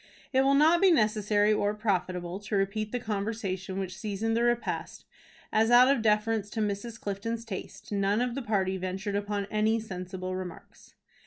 It will not be necessary or profitable to repeat the conversation which seasoned the repast, as, out of deference to Mrs. Clifton's taste, none of the party ventured upon any sensible remarks.